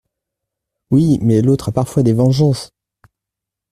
Oui, mais l’autre a parfois des vengeances…